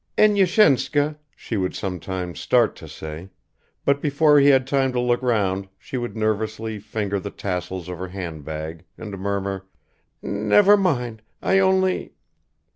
"Enyushenka," she would sometimes start to say but before he had time to look round she would nervously finger the tassels of her handbag and murmur, "Never mind, I only